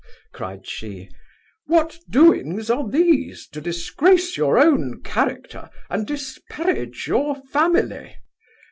(cried she) what doings are these, to disgrace your own character, and disparage your family?